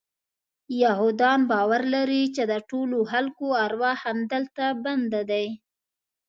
یهودان باور لري چې د ټولو خلکو ارواح همدلته بند دي.